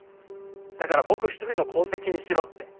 だから僕一人の功績にしろって。